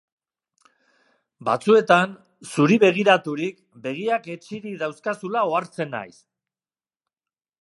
Batzuetan, zuri begiraturik, begiak hetsirik dauzkazula ohartzen naiz.